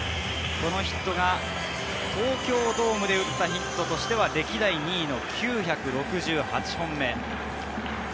このヒットが東京ドームで打ったヒットとしては歴代２位の９６８本目。